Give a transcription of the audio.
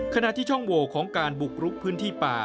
ขณะที่ช่องโหวของการบุกรุกพื้นที่ป่า